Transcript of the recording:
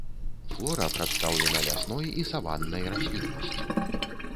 Флора прадстаўлена лясной і саваннай расліннасцю.